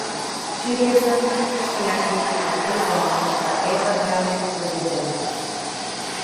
Judaism, Christianity and Islam are Abrahamic religions.